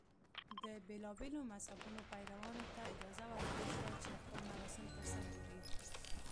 د بېلابېلو مذهبونو پیروانو ته اجازه ورکړل شوه چې خپل مراسم ترسره کړي.